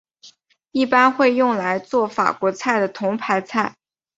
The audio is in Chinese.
一般会用来作法国菜的头盘菜。